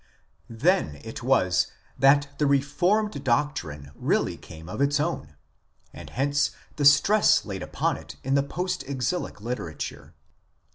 Then it was that the reformed doctrine really came to its own, and hence the stress laid upon it in the post exilic literature.